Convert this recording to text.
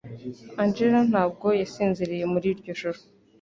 Angela ntabwo yasinziriye muri iryo joro.